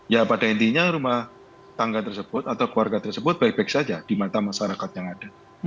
ya pada intinya rumah tangga tersebut atau keluarga tersebut baik baik saja di mata masyarakat yang ada